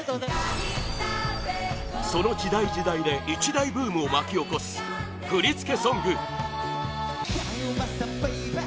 その時代時代で一大ブームを巻き起こす振付ソング